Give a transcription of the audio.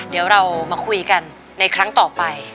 เดี๋ยวเรามาคุยกันในครั้งต่อไป